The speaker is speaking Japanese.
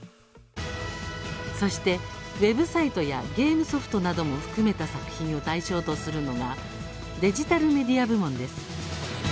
そして、ウェブサイトやゲームソフトなども含めた作品を対象とするのがデジタルメディア部門です。